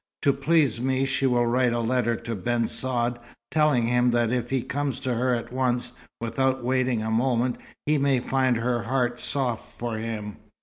To please me, she will write a letter to Ben Saad, telling him that if he comes to her at once, without waiting a moment, he may find her heart soft for him.